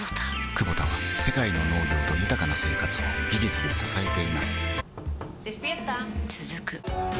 クボタは世界の農業と豊かな生活を技術で支えています起きて。